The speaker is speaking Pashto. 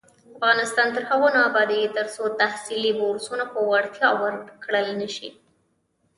افغانستان تر هغو نه ابادیږي، ترڅو تحصیلي بورسونه په وړتیا ورکړل نشي.